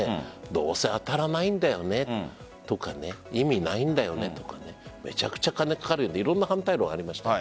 どうせ当たらないんだよねとか意味ないんだよねとかめちゃくちゃ金がかかるよねとかいろんな反対論がありました。